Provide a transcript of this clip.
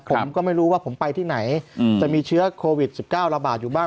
ผมก็ไม่รู้ว่าผมไปที่ไหนจะมีเชื้อโควิด๑๙ระบาดอยู่บ้าง